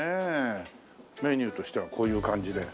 メニューとしてはこういう感じで。